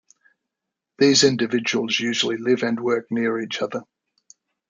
These individuals usually live and work near each other.